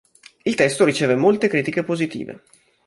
Il testo riceve molte critiche positive.